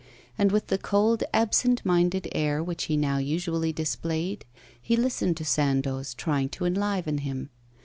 And with the cold, absent minded air which he now usually displayed, he listened to Sandoz trying to enliven him.